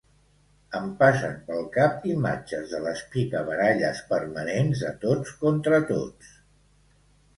Em passen pel cap imatges de les picabaralles permanents de tots contra tots.